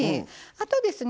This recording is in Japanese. あとですね